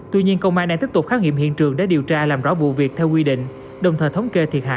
tuy nhiên công an đang tiếp tục khám nghiệm hiện trường để điều tra làm rõ vụ việc theo quy định đồng thời thống kê thiệt hại về tài sản